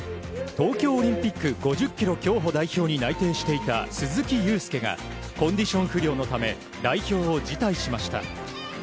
東京オリンピック５０ｋｍ競歩代表に内定していた鈴木雄介がコンディション不良のため代表を辞退しました。